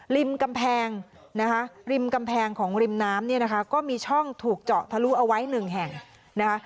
ริมกำแพงนะคะริมกำแพงของริมน้ำเนี่ยนะคะก็มีช่องถูกเจาะทะลุเอาไว้หนึ่งแห่งนะคะ